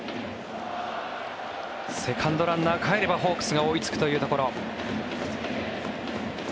セカンドランナー、かえればホークスが追いつくというところ。